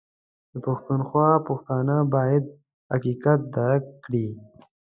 ده پښتونخوا پښتانه بايد حقيقت درک کړي